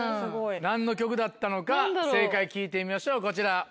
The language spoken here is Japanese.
何の曲だったのか正解聴いてみましょうこちら。